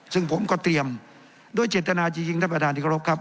ซึ่งผมก็เตรียมด้วยเจตนาจริงท่านประธานที่เคารพครับ